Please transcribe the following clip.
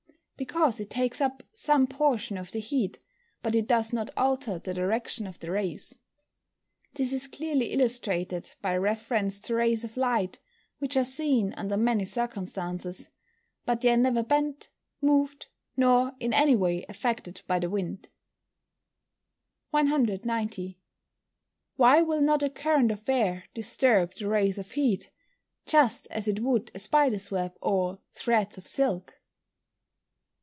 _ Because it takes up some portion of the heat, but it does not alter the direction of the rays. This is clearly illustrated by reference to rays of light which are seen under many circumstances. But they are never bent, moved, nor in any way affected by the wind. 190. _Why will not a current of air disturb the rays of heat, just as it would a spider's web, or threads of silk?